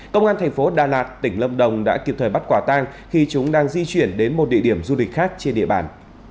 công an thành phố đà lạt tỉnh lâm đồng đã kịp thời bắt quả tang khi chúng đang di chuyển đến một địa điểm du lịch khác trên địa bàn